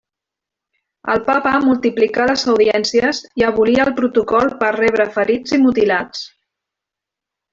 El Papa multiplicà les audiències i abolí el protocol per rebre ferits i mutilats.